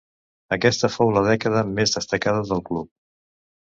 Aquesta fou la dècada més destacada del club.